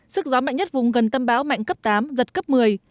sức gió mạnh nhất vùng gần tâm bão mạnh cấp tám giật cấp một mươi